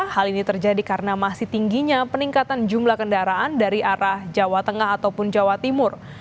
hal ini terjadi karena masih tingginya peningkatan jumlah kendaraan dari arah jawa tengah ataupun jawa timur